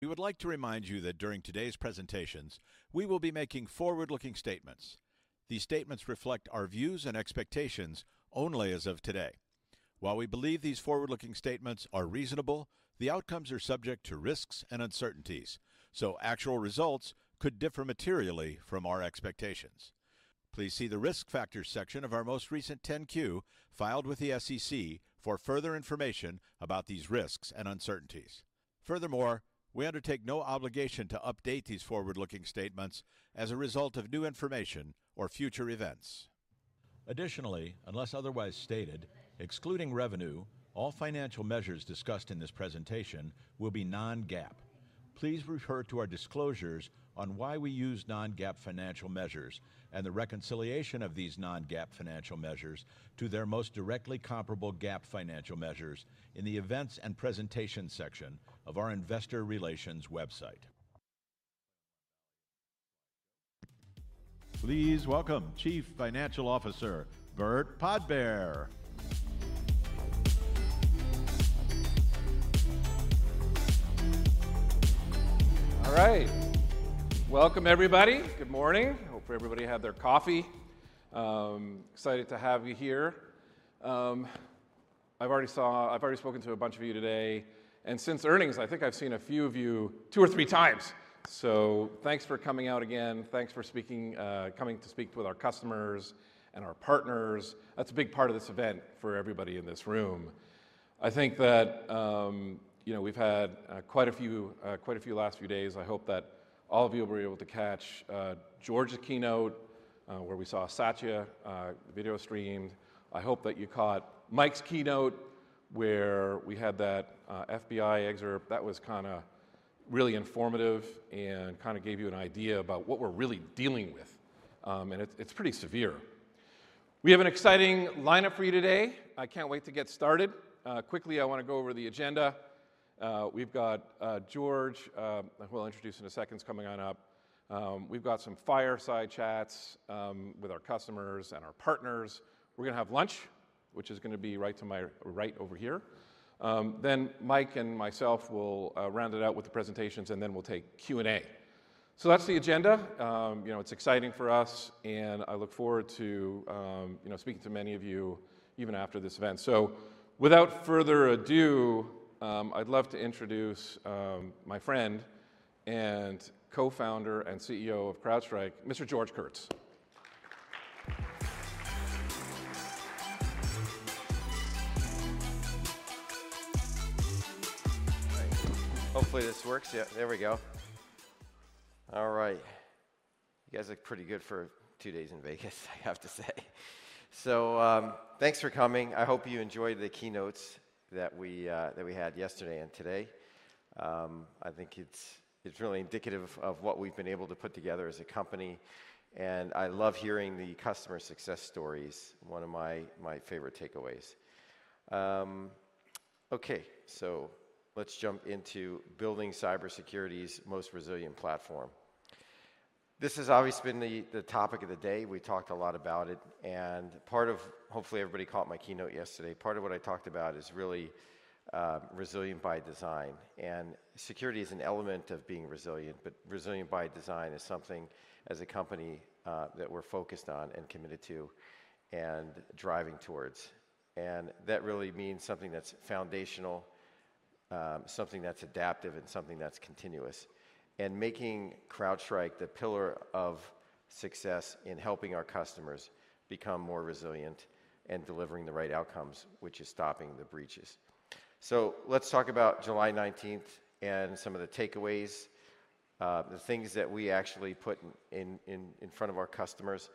We would like to remind you that during today's presentations, we will be making forward-looking statements. These statements reflect our views and expectations only as of today. While we believe these forward-looking statements are reasonable, the outcomes are subject to risks and uncertainties, so actual results could differ materially from our expectations. Please see the Risk Factors section of our most recent 10-Q, filed with the SEC, for further information about these risks and uncertainties. Furthermore, we undertake no obligation to update these forward-looking statements as a result of new information or future events. Additionally, unless otherwise stated, excluding revenue, all financial measures discussed in this presentation will be Non-GAAP. Please refer to our disclosures on why we use Non-GAAP financial measures and the reconciliation of these Non-GAAP financial measures to their most directly comparable GAAP financial measures in the Events and Presentation section of our Investor Relations website. Please welcome Chief Financial Officer, Burt Podbere. All right. Welcome, everybody. Good morning. Hope everybody had their coffee. Excited to have you here. I've already spoken to a bunch of you today, and since earnings, I think I've seen a few of you two or three times. So thanks for coming out again. Thanks for speaking, coming to speak with our customers and our partners. That's a big part of this event for everybody in this room. I think that, you know, we've had quite a few last few days. I hope that all of you will be able to catch George's keynote, where we saw Satya video streamed. I hope that you caught Mike's keynote, where we had that FBI excerpt. That was kinda really informative and kinda gave you an idea about what we're really dealing with. And it's pretty severe. We have an exciting lineup for you today. I can't wait to get started. Quickly, I wanna go over the agenda. We've got George, who I'll introduce in a second. He's coming on up. We've got some fireside chats with our customers and our partners. We're gonna have lunch, which is gonna be right to my... right over here. Then Mike and myself will round it out with the presentations, and then we'll take Q&A. So that's the agenda. You know, it's exciting for us, and I look forward to, you know, speaking to many of you even after this event. So without further ado, I'd love to introduce my friend and Co-founder and CEO of CrowdStrike, Mr. George Kurtz. Hopefully, this works. Yeah, there we go. All right. You guys look pretty good for two days in Vegas, I have to say, so thanks for coming. I hope you enjoyed the keynotes that we had yesterday and today. I think it's really indicative of what we've been able to put together as a company, and I love hearing the customer success stories, one of my favorite takeaways. Okay, so let's jump into building cybersecurity's most resilient platform. This has always been the topic of the day. We talked a lot about it, and part of... Hopefully, everybody caught my keynote yesterday. Part of what I talked about is really resilient by design, and security is an element of being resilient, but resilient by design is something as a company that we're focused on and committed to and driving towards, and that really means something that's foundational, something that's adaptive, and something that's continuous, and making CrowdStrike the pillar of success in helping our customers become more resilient and delivering the right outcomes, which is stopping the breaches, so let's talk about July nineteenth and some of the takeaways, the things that we actually put in front of our customers.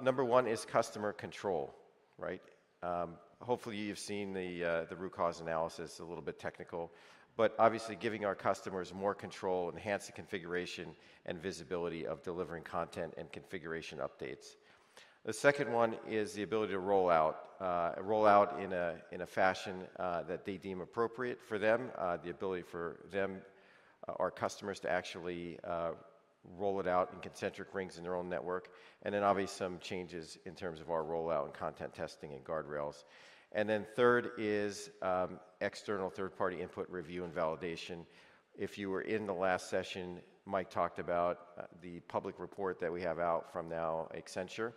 Number one is customer control, right? Hopefully, you've seen the root cause analysis, a little bit technical, but obviously giving our customers more control, enhance the configuration and visibility of delivering content and configuration updates. The second one is the ability to roll out in a fashion that they deem appropriate for them. The ability for them, our customers, to actually roll it out in concentric rings in their own network, and then obviously some changes in terms of our rollout and content testing and guardrails. And then third is external third-party input review and validation. If you were in the last session, Mike talked about the public report that we have out from Accenture.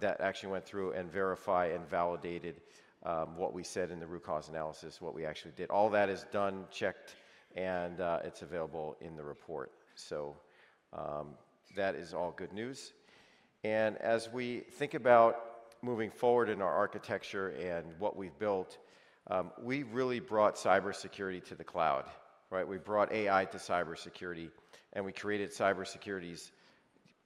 That actually went through and verified and validated what we said in the root cause analysis, what we actually did. All that is done, checked, and it's available in the report. So that is all good news. And as we think about moving forward in our architecture and what we've built, we've really brought cybersecurity to the cloud, right? We've brought AI to cybersecurity, and we created cybersecurity's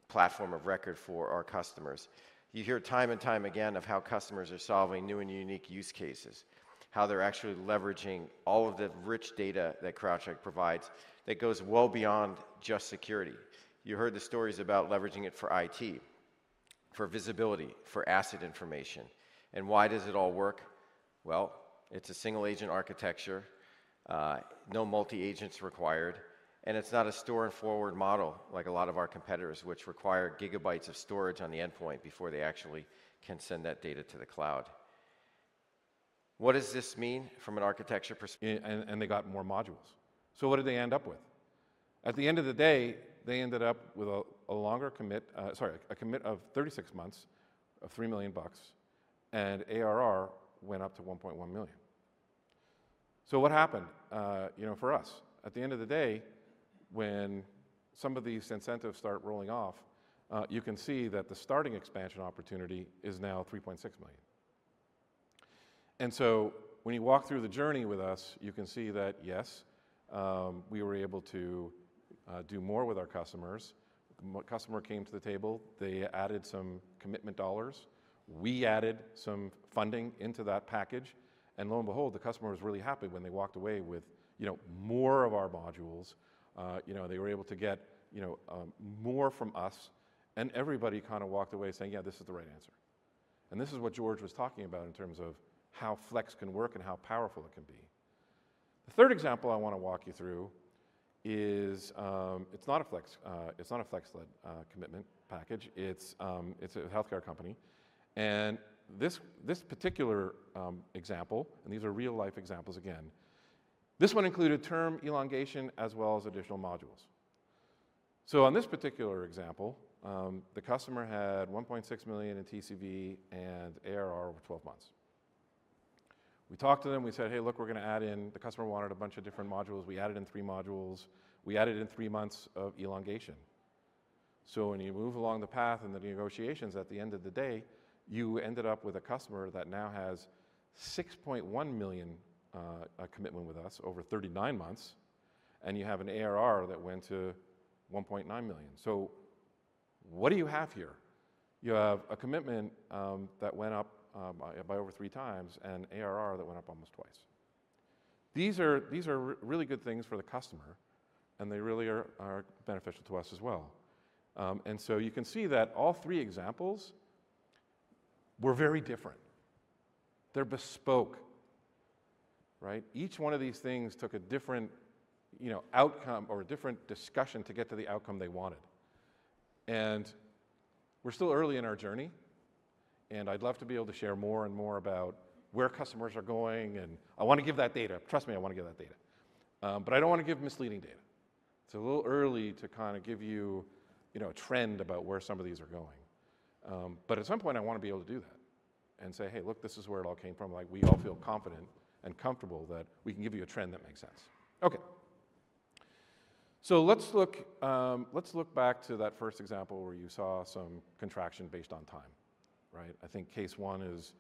platform of record for our customers. You hear time and time again of how customers are solving new and unique use cases, how they're actually leveraging all of the rich data that CrowdStrike provides, that goes well beyond just security. You heard the stories about leveraging it for IT, for visibility, for asset information. And why does it all work? Well, it's a single agent architecture, no multi agents required, and it's not a store and forward model like a lot of our competitors, which require gigabytes of storage on the endpoint before they actually can send that data to the cloud. What does this mean from an architecture pers- They got more modules. So what did they end up with? At the end of the day, they ended up with a longer commit of 36 months of $3 million, and ARR went up to $1.1 million. So what happened for us? At the end of the day, when some of these incentives start rolling off, you can see that the starting expansion opportunity is now $3.6 million. And so when you walk through the journey with us, you can see that, yes, we were able to do more with our customers. When customer came to the table, they added some commitment dollars. We added some funding into that package, and lo and behold, the customer was really happy when they walked away with more of our modules. You know, they were able to get, you know, more from us, and everybody kind of walked away saying: "Yeah, this is the right answer." And this is what George was talking about in terms of how flex can work and how powerful it can be. The third example I want to walk you through is, it's not a Flex, it's not a Flex-led commitment package. It's, it's a healthcare company, and this, this particular example, and these are real-life examples again, this one included term elongation as well as additional modules. So on this particular example, the customer had $1.6 million in TCV and ARR over 12 months. We talked to them, we said, "Hey, look, we're gonna add in..." The customer wanted a bunch of different modules. We added in three modules. We added in three months of elongation. So when you move along the path in the negotiations, at the end of the day, you ended up with a customer that now has $6.1 million commitment with us over 39 months, and you have an ARR that went to $1.9 million. So what do you have here? You have a commitment that went up by over three times and ARR that went up almost twice. These are really good things for the customer, and they really are beneficial to us as well, and so you can see that all three examples were very different. They're bespoke, right? Each one of these things took a different, you know, outcome or a different discussion to get to the outcome they wanted. And we're still early in our journey, and I'd love to be able to share more and more about where customers are going, and I wanna give that data. Trust me, I wanna give that data, but I don't wanna give misleading data. It's a little early to kind of give you, you know, a trend about where some of these are going. But at some point, I wanna be able to do that and say, "Hey, look, this is where it all came from." Like, we all feel confident and comfortable that we can give you a trend that makes sense. Okay. So let's look back to that first example where you saw some contraction based on time, right? I think case one is,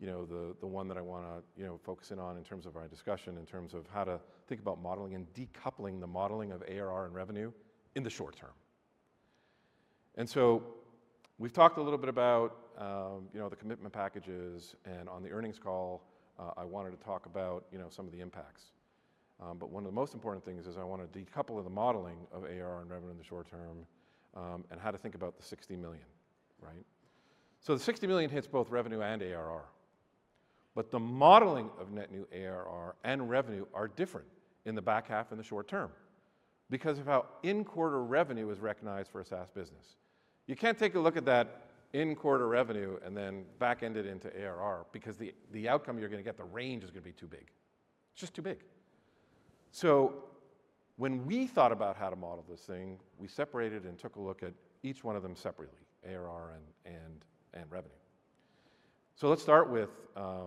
you know, the one that I wanna, you know, focus in on in terms of our discussion, in terms of how to think about modeling and decoupling the modeling of ARR and revenue in the short term. So we've talked a little bit about, you know, the commitment packages, and on the earnings call, I wanted to talk about, you know, some of the impacts. But one of the most important things is I wanna decouple the modeling of ARR and revenue in the short term, and how to think about the $60 million, right? So the $60 million hits both revenue and ARR, but the modeling of net new ARR and revenue are different in the back half in the short term because of how in-quarter revenue is recognized for a SaaS business. You can't take a look at that in-quarter revenue and then back-end it into ARR because the outcome you're gonna get, the range is gonna be too big. It's just too big. So when we thought about how to model this thing, we separated and took a look at each one of them separately, ARR and revenue. So let's start with ARR.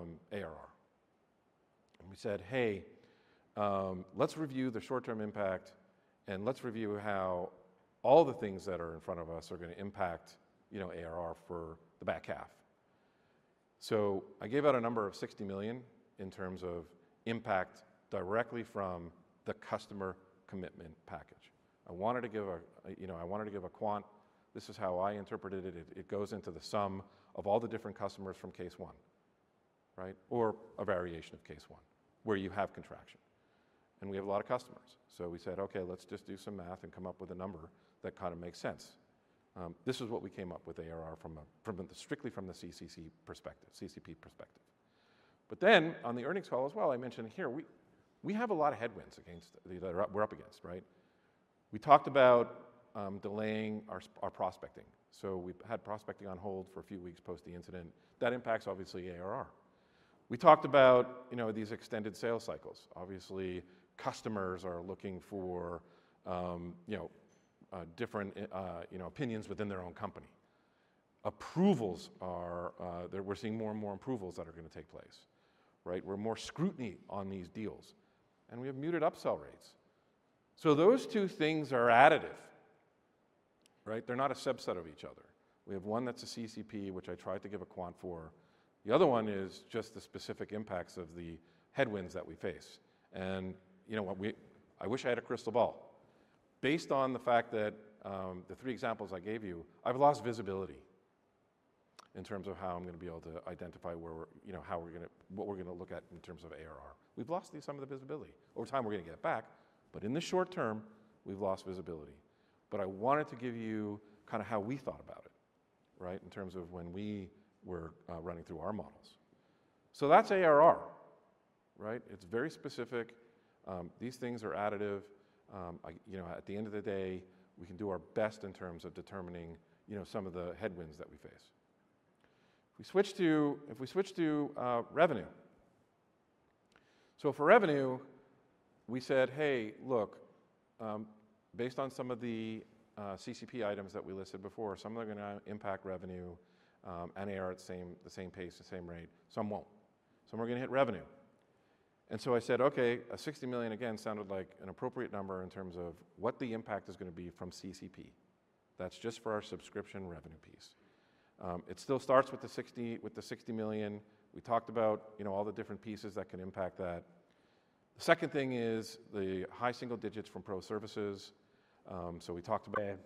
And we said, "Hey, let's review the short-term impact, and let's review how all the things that are in front of us are gonna impact, you know, ARR for the back half." So I gave out a number of $60 million in terms of impact directly from the Customer Commitment Package. I wanted to give a, you know, I wanted to give a quant. This is how I interpreted it. It goes into the sum of all the different customers from case one, right? Or a variation of case one, where you have contraction, and we have a lot of customers. So we said, "Okay, let's just do some math and come up with a number that kind of makes sense." This is what we came up with ARR strictly from the CCP perspective. But then on the earnings call as well, I mentioned here, we have a lot of headwinds against that we're up against, right? We talked about delaying our prospecting, so we've had prospecting on hold for a few weeks post the incident. That impacts, obviously, ARR. We talked about, you know, these extended sales cycles. Obviously, customers are looking for, you know, different, you know, opinions within their own company. Approvals are. We're seeing more and more approvals that are gonna take place, right? We're more scrutiny on these deals, and we have muted upsell rates. So those two things are additive, right? They're not a subset of each other. We have one that's a CCP, which I tried to give a quant for. The other one is just the specific impacts of the headwinds that we face, and you know what? I wish I had a crystal ball. Based on the fact that, the three examples I gave you, I've lost visibility in terms of how I'm gonna be able to identify where we're, you know, how we're gonna, what we're gonna look at in terms of ARR. We've lost some of the visibility. Over time, we're gonna get it back, but in the short term, we've lost visibility. But I wanted to give you kind of how we thought about it, right? In terms of when we were running through our models. So that's ARR, right? It's very specific. I, you know, at the end of the day, we can do our best in terms of determining, you know, some of the headwinds that we face. If we switch to revenue. So for revenue, we said, "Hey, look, based on some of the CCP items that we listed before, some are gonna impact revenue, and they are at the same pace, the same rate, some won't. Some are gonna hit revenue." And so I said, "Okay, a $60 million, again, sounded like an appropriate number in terms of what the impact is gonna be from CCP." That's just for our subscription revenue piece. It still starts with the $60 million. We talked about, you know, all the different pieces that can impact that. The second thing is the high single digits from pro services. So we talked about-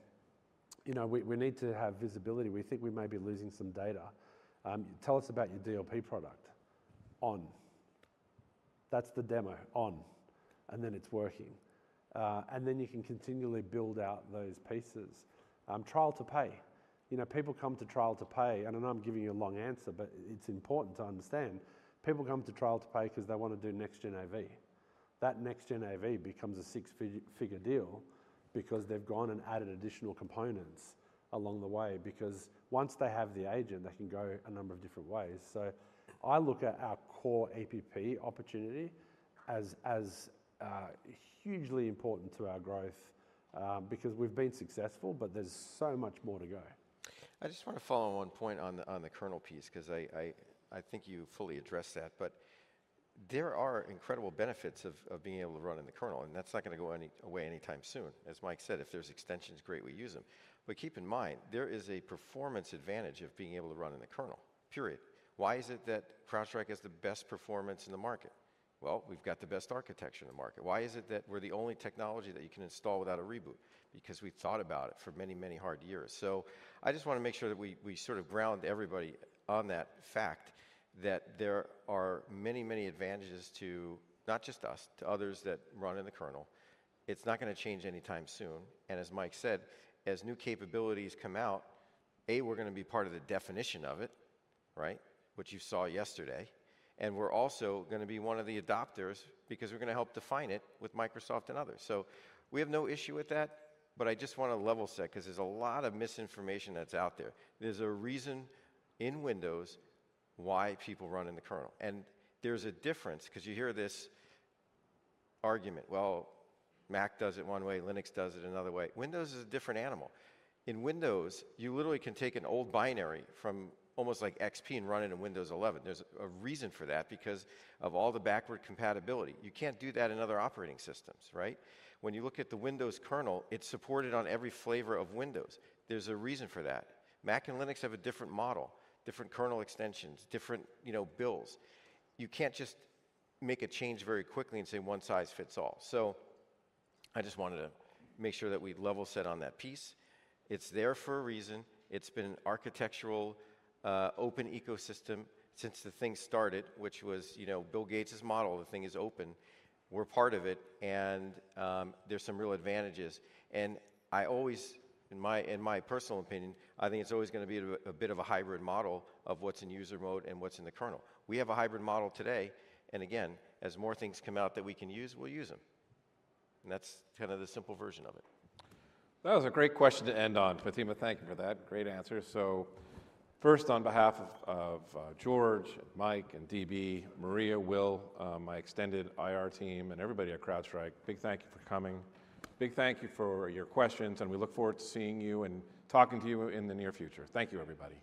You know, we need to have visibility. We think we may be losing some data. Tell us about your DLP product." On. That's the demo, on, and then it's working. And then you can continually build out those pieces. Trial to pay. You know, people come to trial to pay, and I know I'm giving you a long answer, but it's important to understand. People come to trial to pay 'cause they wanna do next-gen AV. That next-gen AV becomes a six-figure deal because they've gone and added additional components along the way because once they have the agent, they can go a number of different ways. So I look at our core endpoint opportunity as hugely important to our growth because we've been successful, but there's so much more to go. I just wanna follow on one point on the kernel piece 'cause I think you fully addressed that. But there are incredible benefits of being able to run in the kernel, and that's not gonna go any away anytime soon. As Mike said, if there's extensions, great, we use them. But keep in mind, there is a performance advantage of being able to run in the kernel, period. Why is it that CrowdStrike has the best performance in the market? Well, we've got the best architecture in the market. Why is it that we're the only technology that you can install without a reboot? Because we've thought about it for many, many hard years. So I just wanna make sure that we sort of ground everybody on that fact, that there are many, many advantages to not just us, to others that run in the kernel. It's not gonna change anytime soon, and as Mike said, as new capabilities come out, A, we're gonna be part of the definition of it, right? Which you saw yesterday, and we're also gonna be one of the adopters because we're gonna help define it with Microsoft and others. So we have no issue with that, but I just wanna level set 'cause there's a lot of misinformation that's out there. There's a reason in Windows why people run in the kernel, and there's a difference, 'cause you hear this argument, "Well, Mac does it one way, Linux does it another way." Windows is a different animal. In Windows, you literally can take an old binary from almost like XP and run it in Windows 11. There's a reason for that because of all the backward compatibility. You can't do that in other operating systems, right? When you look at the Windows kernel, it's supported on every flavor of Windows. There's a reason for that. Mac and Linux have a different model, different kernel extensions, different, you know, builds. You can't just make a change very quickly and say one size fits all. So I just wanted to make sure that we level set on that piece. It's there for a reason. It's been an architectural open ecosystem since the thing started, which was, you know, Bill Gates' model. The thing is open. We're part of it, and there's some real advantages. I always, in my, in my personal opinion, I think it's always gonna be a bit of a hybrid model of what's in user mode and what's in the kernel. We have a hybrid model today, and again, as more things come out that we can use, we'll use them, and that's kind of the simple version of it. That was a great question to end on, Fatima, thank you for that. Great answer. So first, on behalf of George and Mike and DB, Maria, Will, my extended IR team, and everybody at CrowdStrike, big thank you for coming. Big thank you for your questions, and we look forward to seeing you and talking to you in the near future. Thank you, everybody.